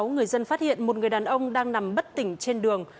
người dân phát hiện một người đàn ông đang nằm bất tỉnh trên đường